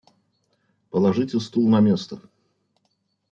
Положите стул - на место!